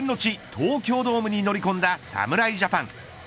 東京ドームに乗り込んだ侍ジャパン。